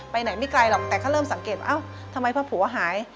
ไหนไม่ไกลหรอกแต่ก็เริ่มสังเกตว่าทำไมพ่อผัวหาย